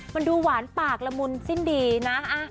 มันดูหวานปากละมุนสิ้นดีนะ